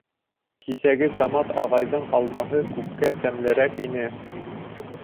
— Кисәге Самат ағайҙың алмаһы күпкә тәмлерәк ине.